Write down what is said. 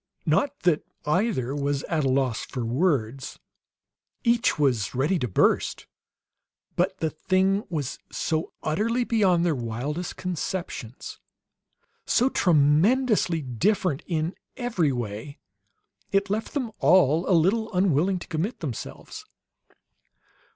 Not that either was at a loss for words; each was ready to burst. But the thing was so utterly beyond their wildest conceptions, so tremendously different in every way, it left them all a little unwilling to commit themselves.